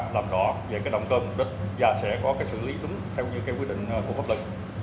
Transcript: làm rõ về động cơ mục đích và sẽ có xử lý đúng theo quy định của pháp luật